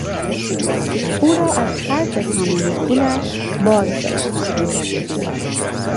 او را از خرج تمام پولش باز داشتم.